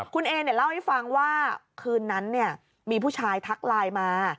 คุณเอเล่าให้ฟังว่าคืนนั้นมีผู้ชายทักไลน์มา